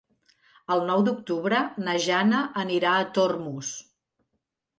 El nou d'octubre na Jana anirà a Tormos.